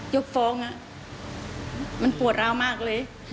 ยกฟ้องมันปวดราวมากเลย